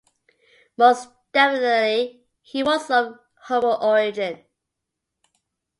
Most definitely, he was of humble origin.